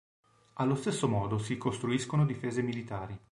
Allo stesso modo si costruiscono difese militari.